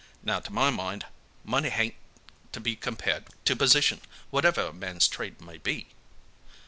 Now, to my mind money hain't to be compared to position, whatever a man's trade may be."